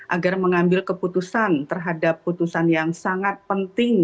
agar mengambil keputusan terhadap putusan yang sangat penting